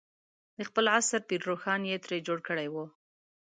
د خپل عصر پير روښان یې ترې جوړ کړی و.